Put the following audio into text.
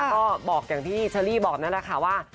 ก็บอกอย่างที่เชอรี่บอกนั่นแหละค่ะว่า